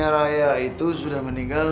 raya itu sudah meninggal